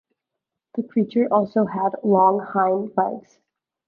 The creature also had long hind legs.